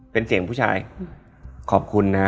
เป็นเสียงผู้ชายขอบคุณนะฮะ